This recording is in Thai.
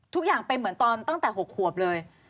ทุกอย่างไปตั้งแต่๖คนเลย